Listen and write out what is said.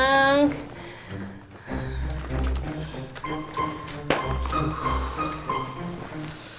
mungkin kamu simpen di tempat lain